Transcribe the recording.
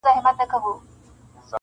• دتوپان په دود خروښيږي -